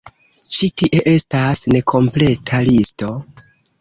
Ĉi tie estas nekompleta listo.